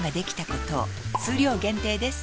数量限定です